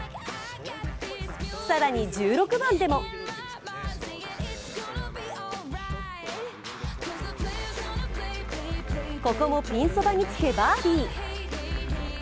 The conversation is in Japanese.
更に１６番でもここもピンそばにつけバーディー。